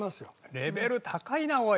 レベル高いなおい。